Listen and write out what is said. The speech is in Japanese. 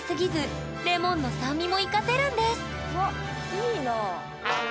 いいなあ。